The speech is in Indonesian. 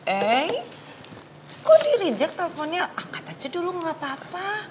eh kok dirijek telfonnya angkat aja dulu nggak apa apa